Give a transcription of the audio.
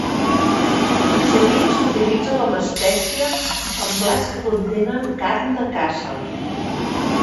Sovint s'utilitza com a espècie en plats que contenen carn de caça.